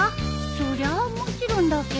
そりゃあもちろんだけど。